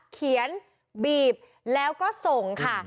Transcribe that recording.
เขียนบีบแล้วก็ส่งค่ะ